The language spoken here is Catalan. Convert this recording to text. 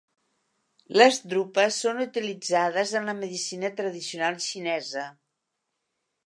Les drupes són utilitzades en la medicina tradicional xinesa.